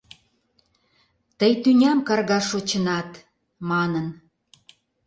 — Тый тӱням каргаш шочынат, — манын.